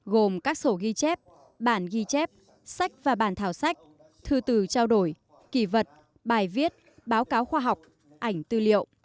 gồm các sổ ghi chép bản ghi chép sách và bản thảo sách thư từ trao đổi kỳ vật bài viết báo cáo khoa học ảnh tư liệu